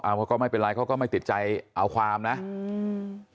ว่าก็ไม่เป็นไรเขาก็ไม่ติดใจเอาความนะอืม